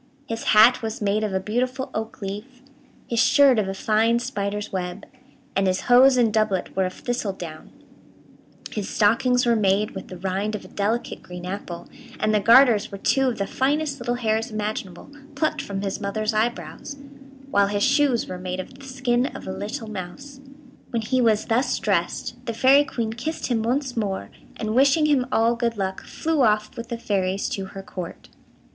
His hat was made of a beautiful oak leaf, his shirt of a fine spider's web, and his hose and doublet were of thistledown, his stockings were made with the rind of a delicate green apple, and the garters were two of the finest little hairs imaginable, plucked from his mother's eyebrows, while his shoes were made of the skin of a little mouse. When he was thus dressed, the Fairy Queen kissed him once more, and, wishing him all good luck, flew off with the fairies to her Court.